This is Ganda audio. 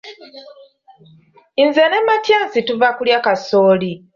Nze ne Matyansi tuva kulya kasooli.